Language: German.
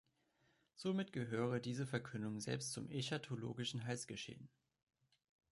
Somit gehöre diese Verkündigung selbst zum eschatologischen Heilsgeschehen.